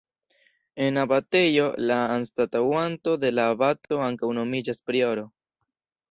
En abatejo la anstataŭanto de la abato ankaŭ nomiĝas prioro.